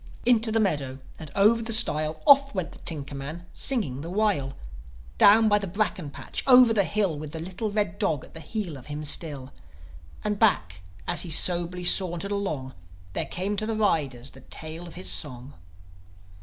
Into the meadow and over the stile, Off went the tinker man, singing the while; Down by the bracken patch, over the hill, With the little red dog at the heel of him still. And back, as he soberly sauntered along, There came to the riders the tail of his song.